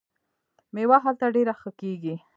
میوه هلته ډیره ښه کیږي.